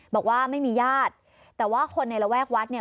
บอกว่าไม่มีญาติแต่ว่าคนในระแวกวัดเนี่ย